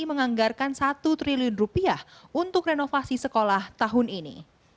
pemerintah provinsi dki menganggarkan satu triliun rupiah untuk renovasi sekolah tahun ini